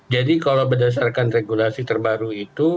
jadi kalau berdasarkan regulasi terbaru itu